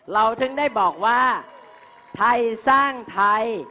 เราถึงได้บอกว่าไทยสร้างไทย